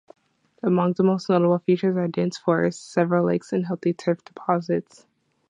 Among the most notable features are dense forests, several lakes and healthy turf deposits.